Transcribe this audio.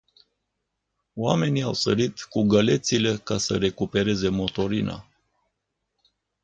Oamenii au sărit cu gălețile ca să recupereze motorina.